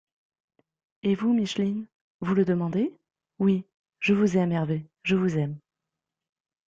—«Et vous, Micheline ? —Vous le demandez ?… Oui, je vous aime, Hervé, je vous aime.